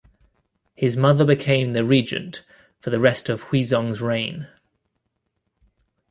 His mother became the regent for the rest of Huizong's reign.